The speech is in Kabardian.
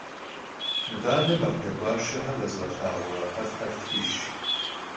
Yit'ane makh dek'uaşşe khezığelhağue herfxer ftxıjj!